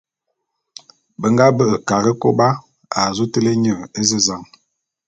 Be nga be'e Karekôba a zu télé nye ézezan.